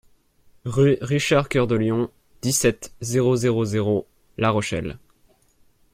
Rue RICHARD COEUR DE LION, dix-sept, zéro zéro zéro La Rochelle